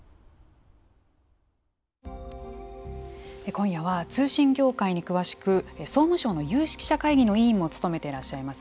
今夜は通信業界に詳しく総務省の有識者会議の委員も務めてらっしゃいます